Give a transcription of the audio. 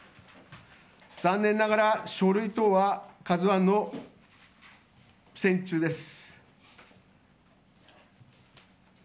残念ながら、書類等は「ＫＡＺＵ１」の船中です。